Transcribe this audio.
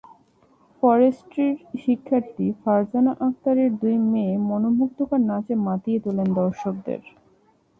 ফরেস্ট্রির শিক্ষার্থী ফারজানা আকতারের দুই মেয়ে মনোমুগ্ধকর নাচে মাতিয়ে তোলেন দর্শকদের।